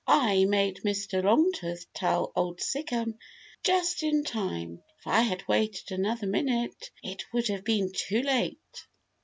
"I made Mr. Longtooth tell Old Sic'em just in time. If I had waited another minute, it would have been too late."